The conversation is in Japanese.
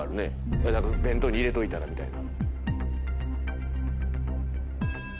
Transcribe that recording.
だから弁当に入れといたらみたいな。